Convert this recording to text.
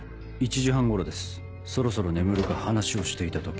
１時半頃ですそろそろ眠るか話をしていた時。